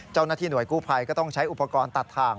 เจ้าหน้าที่หน่วยกู้ภัยก็ต้องใช้อุปกรณ์ตัดทาง